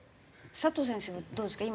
佐藤先生はどうですか？